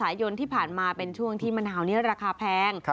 สายนที่ผ่านมาเป็นช่วงที่มะนาวนี้ราคาแพง